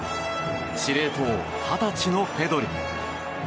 司令塔、二十歳のペドリ。